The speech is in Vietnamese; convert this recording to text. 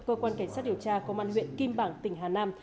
cơ quan cảnh sát điều tra công an huyện kim bảng tỉnh hà nam